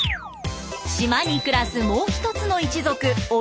島に暮らすもう一つの一族オリタ家。